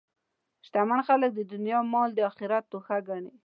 شتمن خلک د دنیا مال د آخرت توښه ګڼي.